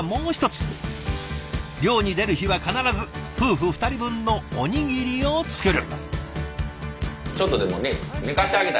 漁に出る日は必ず夫婦二人分のおにぎりを作る。